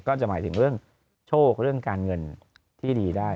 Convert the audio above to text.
ก็จะหมายถึงเจ้าเรื่องการเงินที่ดีได้